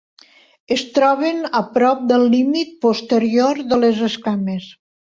Es troben a prop del límit posterior de les escames.